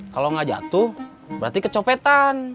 kalau nggak jatuh berarti kecopetan